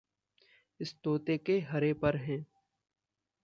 इस तोते के हरे पर हैं।